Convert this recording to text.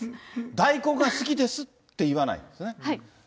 大根が好きですって言わないんですね。